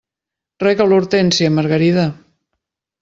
Rega l'hortènsia, Margarida.